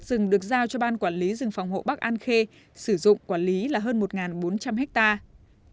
rừng được giao cho ban quản lý rừng phòng hộ bắc an khê sử dụng quản lý là hơn một bốn trăm linh hectare